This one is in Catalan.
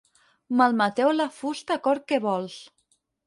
Malmeteu la fusta a cor què vols.